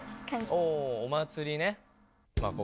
おお祭りね。